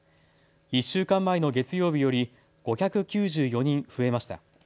１週間前の月曜日より５９４人増えました。